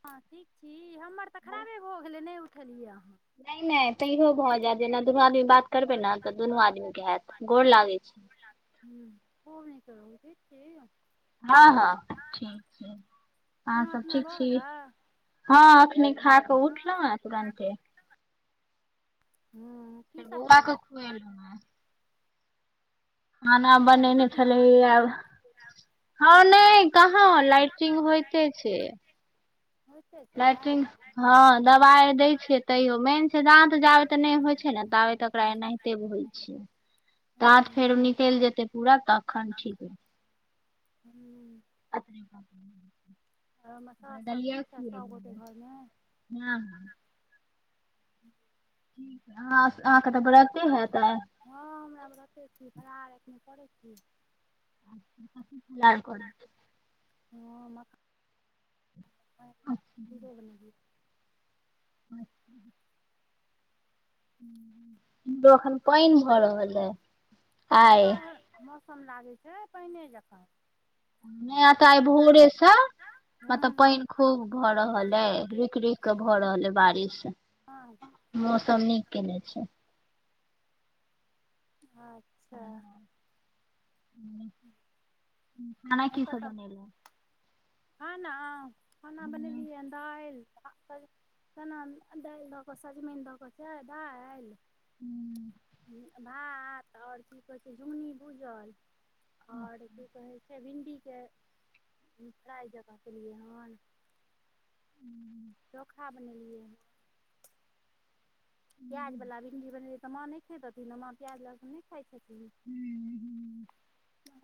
हां ठीक छी, हमर तऽ खराबे भऽ गेलै नै उठलियै अहाँ। नै-नै तैयो भऽ जाएत जेना दुनू आदमी बात करबै ना तऽ दुनू आदमी के हाएत, गोर लागै छी। हुं खुब निके रहु ठिक छी यौ। हां-हां ठीक छै, अहां खाना सब पीना ठीक भऽ छी। गेलै हां अखने खा के उठलौ अय तुरंते। हुं। फेर बौअवा के खुएलौ अय। खाना बच्चा बनैने ठीक छलै यऽ आब हां नै कहाँ लाइटिंग होएते छै। साए। हां दवाय दै छियै तैयो मेन छै दांत जाबेतऽ दाँत नै जाब होय तऽ छै नहि नै ताबे तकरा होइ एनहि छै। ते होय छै, दांत हूँ फेरो निकैल जेते पूरा तखन ठीक हे हम्म [inaudible] ह मसा सब ठीक छैत, सभ गोटे घरमे। निय हँ। कि अ अहाँके तऽ ब्रते हतै आय। हँ हमरा व्रते छी फलाहार एखन करै छी। [unintelligible] लाल कहने छैले। [unintelligible] मखा- - [unintelligible] पुंजों बनेलिही। [inaudible] [unintelligible] दोहल प ईन भऽ रहल अई आय। एतय मौसम लागै छै पैने जकाँ। नया कार भोरे सँ मतलब हूँ पैनख। खूब भऽ रहल अय रुइक रुइक के भऽ रहल अइ बारिश। हँ मौसम नीक कने छैई। अच्छा- - [unintelligible] खेनाई की एतऽ सब तऽ बनेलहु खाना खाना बनेलियै दाइल - - सज चना दाइल दऽ कऽ सजमनि दऽ कऽ छैइ दाइल- - हू भात आउर कि कहै छै झुगन्नी भूझल। आउर की कहै छै भिणडी के फ्राइ जक्का केलियै हन [inaudible] चोखा बनेलियै यै। प्याज बला भिण्डी बनेलै तऽ माँ नई खेैथथिन माँ प्याज लहसुन नेइ खाइ छथिन।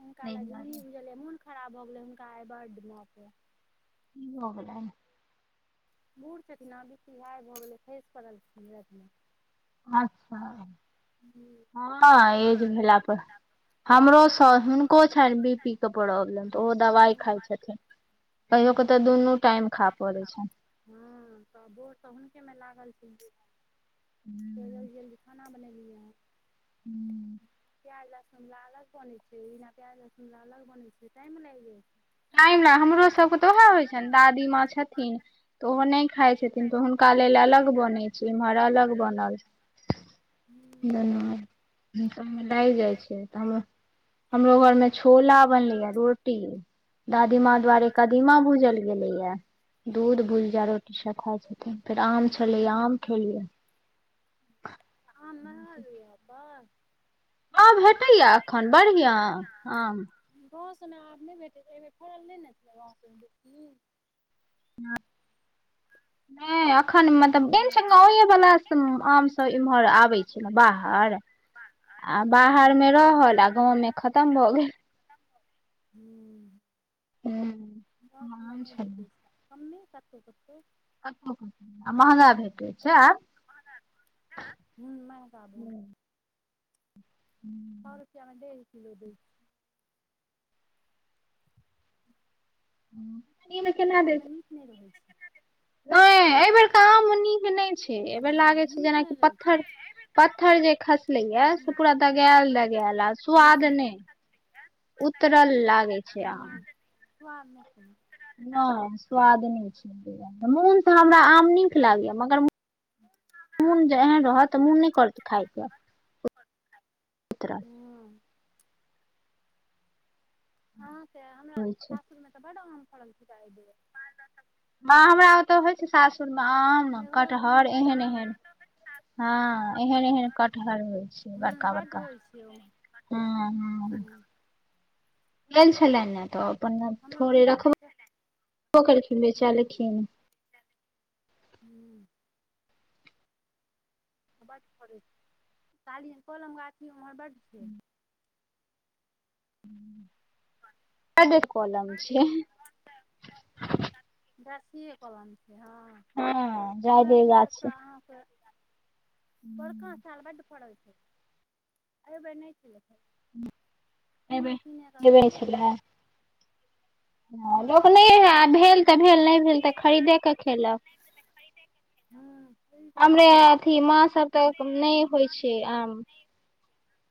हुनका ताहि ला छुमनी दुआरे भूजलीये मुनख- - खराब भो गेलै हुनका आय बड मां के- - हो गेलय बूढ़ छथिन न बीपी हाय भऽ गेलै खईस पड़लखीन राईत में - - अच्छा हँ एज भेलला पर- - हमरो सॉस हुनको छनि बी पी के प्रॉब्लम तऽ ओ दवाइ खाइ छथिन। कहियो क तऽ दुनू टाइम खा पड़ै छैन।। हुं तऽ भोर स हुनके मे लागल छी। हूँ। चलियो गेलिए खाना बनेलिएन हँ - - हूँ। प्याज लहसुन ल अलग बने छै, बिना प्याज लहसुन ल अलग बने छै, टाइम लाग गेल। टाईम न हमरो सबके तऽ उएह होइ छन दादी माँ छथिन तोहो नय खाय छथिन त हुनका लेल अलग बन छै इम्हर अलग बनल‌। [inaudible] लाइग जाइ छै त हम हमरो घर मे छोला बनलैए रोटी दादीमाँ दुआरे कदीमा भूजल गेलेयै, दूध हुँ भूजिया रोटी। की सब खाइ छथिन फेर आम छलै आम खेलियै आम [unintelligible] भेटैया या एखन बढ़िआँ आम। गांव सब में आम नय भेटै छै एय बेर फड़ल नय ने छैलये। गांव में बेसी ह [unintelligible] नय एखन मतलब हूँ छै गाे वाला आम सब इमहर आबे छै। बाहर आ बाहर हूँ मे रहल आ गाँव मे खतम भऽ'गेल। [unintelligible] हूँ गाछ मे महान नय छलै भेटै छै कमे कतहु कतहु। कतहु क महँगा भेटैत छै आब। ह बाबू हूँ। सए रुपैआमे डेढ़ किलो दै। हूँ। ओ मनीष नहि रहै छै। [unintelligible] ह एहि बेेर क आम नीक नहि छै। एहि बेर हूँ लागै छै। नीक जेनाकि नहि रहै छै पत्थर पत्थर जे खसले या हूँ से पूरा दगायल दगायल आ स्वाद नहि। उतरल लागे छै आम। सुमे सु नहि स्वाद नहि छै। मोनसँ हमरा आम नीक लागैए मगर मन जे एहन रहत त मोन नहि कर खाायके। हूँ अहाँके हमरा छै सासुरमे तऽ'बड आम फड़ल िकइ दे। म हमरा ओतय होइ छै। सासुरमे आम मेघो सबमे कटहर बड एहन आम एहन हँ एहन एहन कटहर होइ छै। बड़का बड़का ह। हँ हँ [unintelligible] गेल छलनि ने तऽ' अपन हमरो थोड़े दीदी सबके रखबबो कखिन बेचलखिन। हू। बड्ड फड़ै छै। सााली कलम गाछी ओम्हर बड्ड छै। कड कोलम छै। ियलन छै हँ। जादे गाछ छै हमराकेऽ' अहाँसँ अार बोरका साल बड्ड पड़ल छै। एहिबेर नहि चलै छै। ब अबे खेलियै हन छलै नहि हूँ ह लोक नहि हए आ भेल तऽ' भेल नहि भेल तऽ'खरीदे खरीदे कऽ' खेलक। हँ जा े अथी मा आर तक नहि होइ छै। आम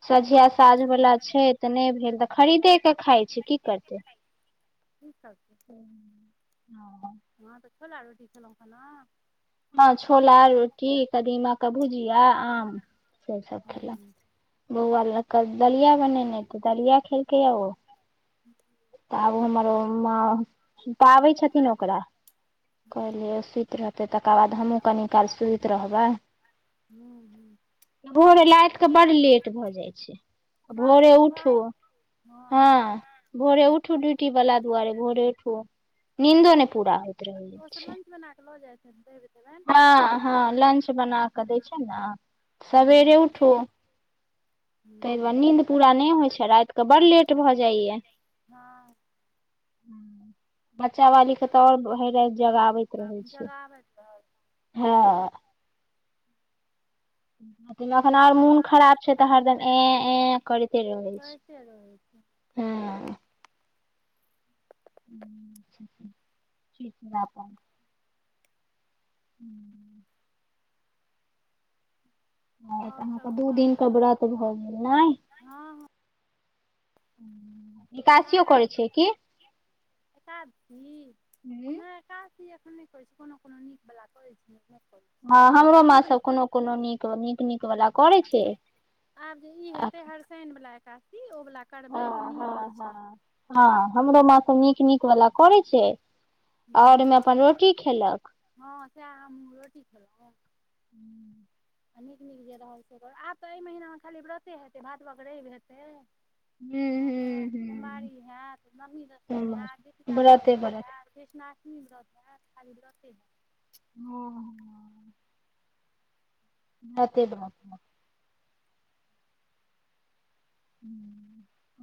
सँझिया साझवला हूँ छै तऽ'नहि भेल तऽ'खरीदे क खाइ छै की करतै। ठीक छै। हँ। [unintelligible] हँ तऽ'छोल आ रोटी छलहुँ खाना। हँ छोला रोटी कदीमा क भुजिया आम से सब। खेलक हूँ। बौआ ल कऽ'दलिया बनेनाइ तऽ' दलिया खेलकै यौ ओ। ह। [unintelligible] तऽ'आब हमर म पाबै छथिन ओकरा कहलियै। रहतै तकर बाद हमहूँ कनि काल सुति रहबै। हू - हू। भोरे लाइट केऽ बड लेट भऽ जाइ छै, भोरे उठू। हॅ, नाभि। हँ भोरे उठू ड्यूटी वाला दुआरे भोरे उठू, नींन्दो नहि पूरा होइत रहै छै। नेनना के लअ जाइ छैथि, छोयड़ देबैयन। ह- हँ, लंच बना कऽ दै छीयैन ना, सवेरे उठू तैय दुआरे नीन्द पूरा नहि होइत छै, रााति कऽ बड लेट भऽ जाइया। हँ [inaudible] बच्चा बाली के तऽ आओर भरि राति जगाबैत रहै छै, जगाबैत रहल हँ त एखन आर मुन खराब छै तऽ हरदिन ए- ए करते रहै कैरते रहै छै। ऊ--ह। [inaudible] ठीक ला क हूँ [inaudible] हँ तऽ आओर अहाँ के सब दू कह दिन के हँ व्रत भऽ गेल, नहि। हँ [inaudible] दुआदशीयो करै छै की, एकादशी हूँ नहि एकाद सी एखन नहि करै छी, कोनो- कोनो निक वाला करे छीयै। नहि करै हँ हमरो माँ सब कोनो- कोनो नीक- नीक वला करै छै। आ शिन वाला एकादी ओ वाला करबैय, ओ हँ नीक हँ होय छै। हँ हँ हमरो माँ सब नीक- नीक वाला करै छै। आओर मे अप्पन रोटी खेलक। हँ सेए हम रोटी खेलैउ। आ नीक- नीक जे रहल से रह, आब तऽ एहि महीनामे खाली व्रते हेतै भादवक रवि हेतै। हूँ अहाँ के हूँ कोमारी हैत, नवमी दशदीन हूँ एयत, जितिया बा व्रते ब्रत व्रत हैत। कृष्णाष्टमी व्रत हैत, खाली व्रते हैत। ह। अतैक व्रत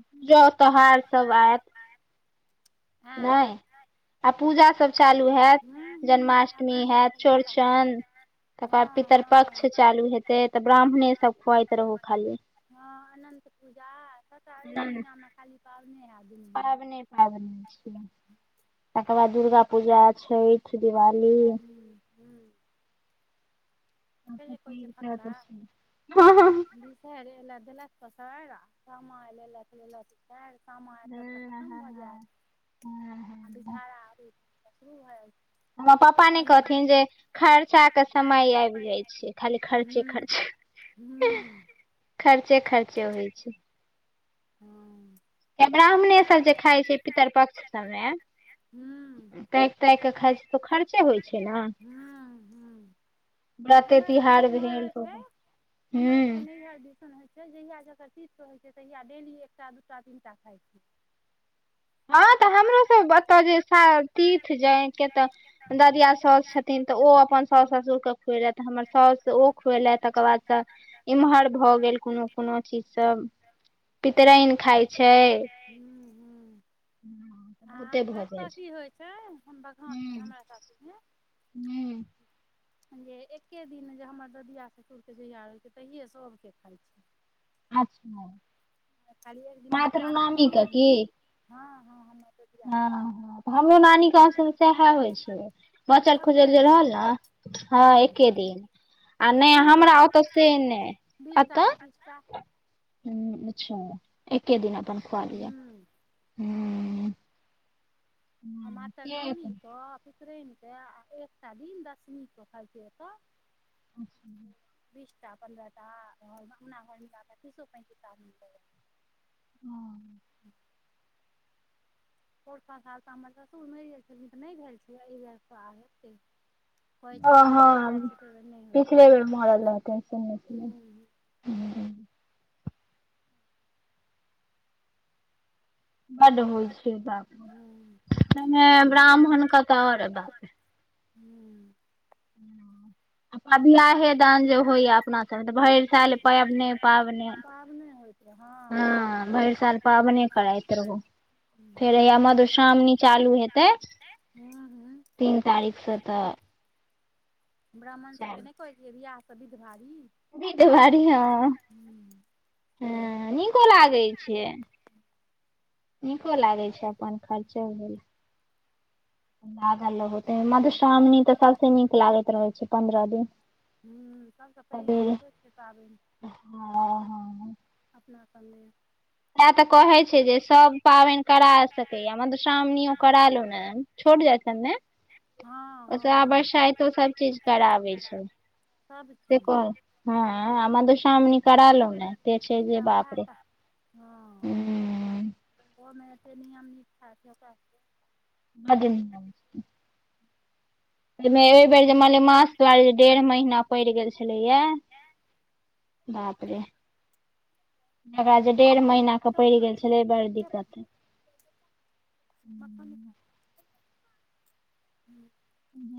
पूजा त्योहार सब आयत। आँय नहि, आ पूजा सब। चालू हैत, हुँ हुँ आ जन्माष्टमी पूजा हैत, सब सबटा चौरचन तकर बाद हँ हँ पितृपक्ष चालू हेतै, तऽ ब्राह्मणेसभ खुआइत रहू खाली। हँ अनन्त पूजा, सबटा एहि महिनामे खाली पाबने हैत दुनूमे। पाबनै छियै, तकर बाद दुर्गा पूजा, छैठि, दिवाली कालि पु अतै सबसँ नै कहै छै पैघ तऽ फकड़ा एतऽ छै हँ हँ [unintelligible] साएर एल देलक पसारि, आ रामा लेल लेलकि कालि सामा एत तऽ खतम हँ भऽ जायत, हँ आ बैसय हँ भाड़ा आबैत त शुरू भ जायइ छै। हमर हॅ पापा नहि वीके, कहथिन जे पप्पा नहि खर्चा के कहलखिन समय आबि जे जाइ छै खर्चा खाली त खर्चे समइ खर्चे रहत, हुं हू। खर्चे- खर्चे होइ छै। हँ। ब्राह्मणेसभ जे खाइत छै। पितरपक्ष सभमे। हुँ ताकि -ताकि कऽ खाइ छै तऽ, खर्चे होइ छै ने। हुँ हुँ व्रते हमरा सब के तिहार उमहर भेल होइ छै। हमरा सब के हूँ नैहर दिसन हो फ जहियआ जेकर तीथ रहैत छै। तहिया डेली एकटा दू- टा, तीन टा खाइत छै। हँ, तऽ हमरो सब ओतअ जे तीर्थ जायन के तऽ। दरिया सासु छथिन तऽ ओ अपन सास ससुरके खुएलथि, हमर साासस ओ खुएलथि, तकर बादसँ इम्हर भए गेल कोनो -कोनो चीज सब, पितरायन खााय छै। हू। [inaudible] ह तऽ बत एतय की होइ छै। बघातमे हूँ हमरा हूँ सासूरमे। जे एके दिन जे हमर ददिया ससुरके जहिया होइत छै। तहिए सभके खाइत छै। अच्छा। खाली एक दिन मातृनवमी मातरनमी की के दिन हँ, हँ हम हँ तऽ हमरो नानी गाँव सब सएह होइ छै। बचल- खुचल एके जे दिन रहल ने, हँ हूँ एके दिन। आ नहि खूब हमरा ओत से नहि बीस एत। टा पच्चीस टा हुँ अच्छा! एके दिन अपन खुआ लिअ, हूँ हुँ। मातर नमी अपन कऽ, पितरैन कऽ, आ एकटा दिन दशमी के खाय छै एतऽ। [unintelligible] बीस टा, पन्द्रह टा, आ अंगना घर मिलाकऽ, तीसो पैंतीसटा मिलै है। हूँ। पोरका साल त हमर ससुर मैर गेल छेलखिन तऽ नैय भेल छेलै, एैय बेर स आब हेतै। कहै छै जै ह बेेर मैर जाय हँ छै, तैह बेर नैय होय छै। पिछले बेर मरल रहथिन सुनने छलियै हुँ बड होय छै बाप रे, तैमे ब्राह्मण के तऽ और बाप रे। हूँ। आ बियाहे -दान जे होय या अपना सब मे, तऽ भैर साल पैबने- पैबने। होत रहे हंँ। हँ भैर साल पैबने करैत रहु। फेर हूँ हया मधुश्रावणी चालू हेतै। हूँ- हूँ। तीन तारीख स तऽ। ब्राह्मण सब केँ नैय कहैछियै, वियाह से बिध भारी। बिध भारी, हँ से नीको लागै छै। नीको लागै छैय, अपन खर्चो भेल। आगा लगौतै, मधुश्रावणी तऽ सबसे नीक लागैत रहै छैय, पंन्द्रह दिन। हूँ सब से पैघ सबेरे होइतो छै पाबैन। हँ- हँ। अपना सब मे। इयहे तऽकहे छै सब पाबैन करा सकैया, मधुश्रावणियो करा लो ने, छोट जैत। तने। हँ ओसब आ हँ बरसाइतो सब चीज कराबै छै, सब से चीज कह हँ, इहे मधुश्रावणी करा लो ने, ते छै जे एकटा उएह बाप रे। तऽ हँ, हूँ ओ मे एतेक नियम -नीसठा छै ओकरा। बड नियम छैय। एै मे एहि बेेर जे मलेमास दुआरे जे डेढ़ महीना पैड़ गेल छलैए। बाप रे एकरा जे हूँ डेढ़ महीना के पैड़ गेल छेलै बड़ दिक्कत मखन नैय खेब।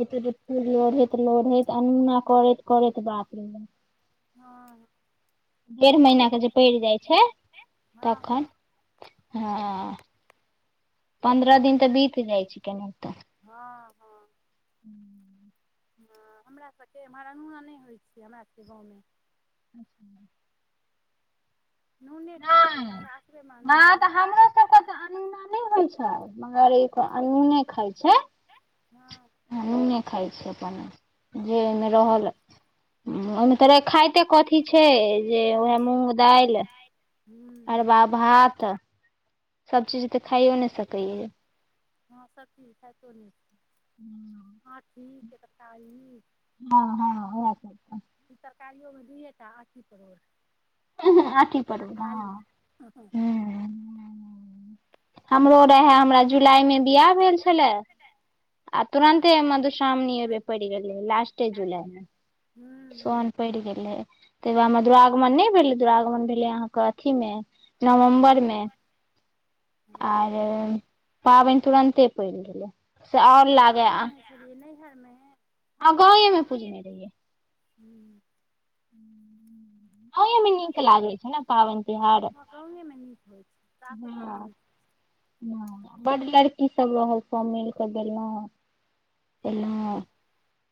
एते जे फुल लोढ़ैत लोढ़ैत अनोना करैत करैत बाप रे बाप हँ डेढ़ महीना के जे पैड़ जाय छै हँ तखन। हँ हँ पन्द्रह दिन तऽ बीत जाय छै केनैहतोऽ। हँ हँ हूँ हँ हमरा सब के एम्हर अनुना नैय होय छै हमरा सब के गाँव मे। [unintelligible] नूने खाइ छी नहि नैय सासुरेमे अनूना हँ नहि हमरो सबके तऽ अनोना नैय होय छै मगर ई क अनुने खाय छैय। हँ अनुने खाय छैय अपन जे ओय मे रहल ओयमे त रेखाइते कथी छै जे उएह मूँंग दालि हूँ अरबा भात सब चीज तऽ खायो नैय सकैया। हँ सबचीज खाइतो नैय छैय आँठी के तरकारी। हँ हँ ओहै सबटा। ई तरकारियो मे दुइएटा आंठी परोर। हं हं आंठी परोर हं हूँ हूँ। हमरो रहे हमरा जुलाय मे बियाह भेल छेलै। आ तुरन्ते मधुश्रावनी ओई बेर पैड़ गेलै लास्टे जुलाय मे सौन हूँ पड़ि गेलै तय दूआरे हमर दुरागमन नय भेलै दुरागमन भेलै अहाँके अथी मे नवम्बर मे हँ आर पाबईन तुरंते पैर गेलय। कत्त पूजने छलियै नैहर में? हं गाँंवे में पूजने रैहियै। हूँ गांवे मे नीक लागै छै ने पाबनि तिहार हँ गाँवेमे नीक होइ छै [inaudible] सासुरमे नहि नीक हं बड लड़की सब रहल सब मिल क गेलहुं एलहुँ